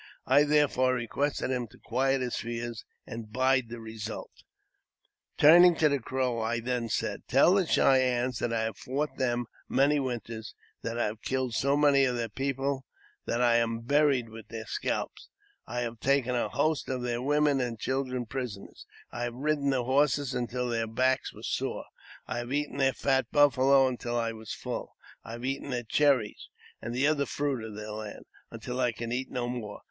I therefore requested him to quiet his fears and bide the result. Turning to the Crow, I then said, " Tell the Cheyennes that I have fought them many winters ; that I have killed so many of their people that I am buried with their scalps ; I have taken a host of their women and children prisoners ; I have ridden I JAMES P. BECKWOUBTH. 355 their horses until their backs were sore ; I have eaten their fat buffalo until I was full ; I have eaten their cherries, and the other fruits of their land, until I could eat no more.